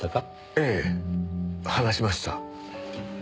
ええ話しました。